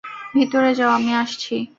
ভিতরে যাও - আমি আসছি।